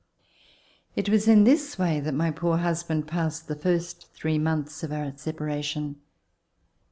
It was In this way that my poor husband passed the first three months of our separation.